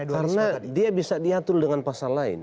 karena dia bisa diatur dengan pasal lain